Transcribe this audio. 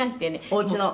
おうちの？」